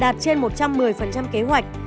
đạt trên một trăm một mươi kế hoạch